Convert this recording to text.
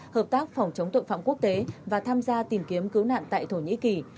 hợp tác phòng chống tội phạm quốc tế và tham gia tìm kiếm cứu nạn tại thổ nhĩ kỳ